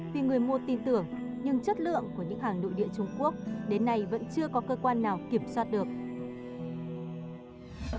vì người mua tin tưởng nhưng chất lượng của những hàng nội địa trung quốc đến nay vẫn chưa có cơ quan nào kiểm soát được